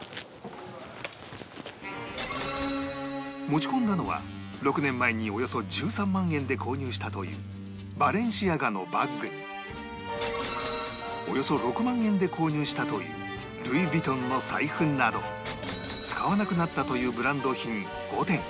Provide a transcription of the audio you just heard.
持ち込んだのは６年前におよそ１３万円で購入したというバレンシアガのバッグにおよそ６万円で購入したというルイ・ヴィトンの財布など使わなくなったというブランド品５点